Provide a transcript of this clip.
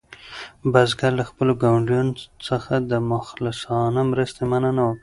بزګر له خپلو ګاونډیانو څخه د مخلصانه مرستې مننه وکړه.